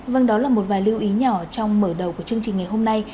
vâng đó là một vài lưu ý nhỏ trong mở đầu của chương trình ngày hôm nay